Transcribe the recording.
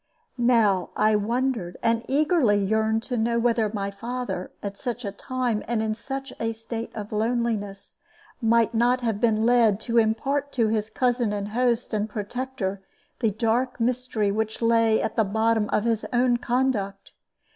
Now I wondered and eagerly yearned to know whether my father, at such a time, and in such a state of loneliness, might not have been led to impart to his cousin and host and protector the dark mystery which lay at the bottom of his own conduct.